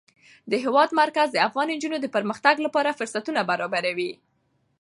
د هېواد مرکز د افغان نجونو د پرمختګ لپاره فرصتونه برابروي.